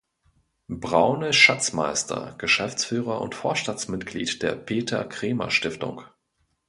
Braune ist Schatzmeister, Geschäftsführer und Vorstandsmitglied der Peter Krämer-Stiftung.